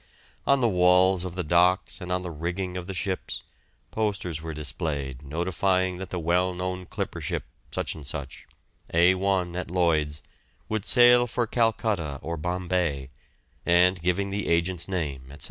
On the walls of the docks and on the rigging of the ships, posters were displayed notifying that the well known clipper ship , A1 at Lloyd's, would sail for Calcutta or Bombay, and giving the agent's name, etc.